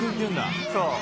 そう。